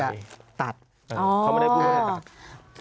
เขาไม่ได้พูดว่าจะตัด